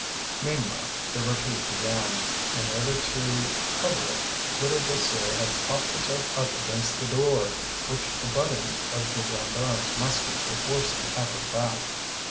Meanwhile, the retreat began. In order to cover it, Widow Désir had propped herself up against the door, which the butt ends of the gendarmes' muskets were forcing at her back.